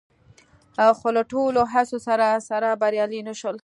خو له ټولو هڅو سره سره بریالي نه شول